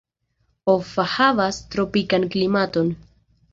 Offa havas tropikan klimaton.